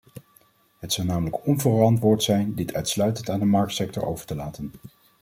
Het zou namelijk onverantwoordelijk zijn dit uitsluitend aan de marktsector over te laten.